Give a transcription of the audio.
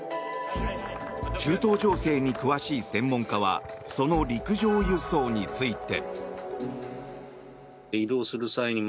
中東情勢に詳しい専門家はその陸上輸送について。